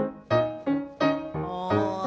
ああ。